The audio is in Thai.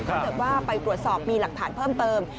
ถ้าเกิดว่าไปตรวจสอบมีหลักฐานเพิ่มเติม